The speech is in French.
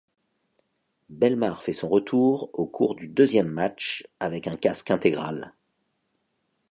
Bellemare fait son retour au cours du deuxième match avec un casque intégral.